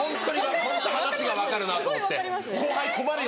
ホント話が分かるなと思って後輩困るよね。